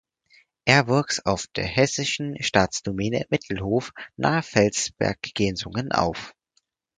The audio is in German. Er wuchs auf der Hessischen Staatsdomäne Mittelhof nahe Felsberg-Gensungen auf.